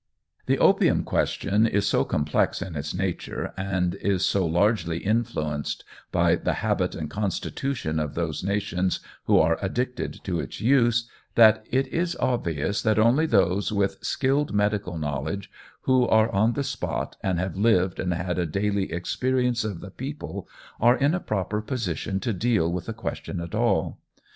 The opium question is so complex in its nature, and is so largely influenced by the habits and constitution of those nations who are addicted to its use, that it is obvious that only those with skilled medical knowledge, who are on the spot and have lived and had a daily experience of the people, are in a proper position to deal with the question at all.